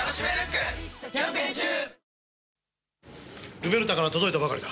ルベルタから届いたばかりだ。